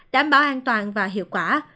đảm bảo an toàn và hiệu quả